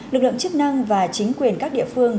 lực lượng chức năng và chính quyền các địa phương